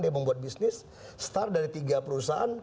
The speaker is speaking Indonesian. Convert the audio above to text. dia membuat bisnis start dari tiga perusahaan